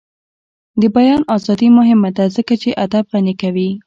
د بیان ازادي مهمه ده ځکه چې ادب غني کوي.